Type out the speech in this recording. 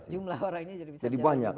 jumlah orangnya jadi bisa dicatat